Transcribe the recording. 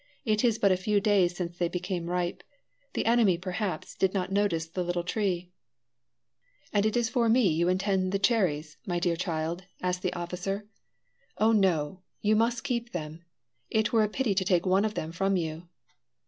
It is but a few days since they became ripe; the enemy, perhaps, did not notice the little tree." "And is it for me you intend the cherries, my dear child?" asked the officer. "Oh no; you must keep them. It were a pity to take one of them from you."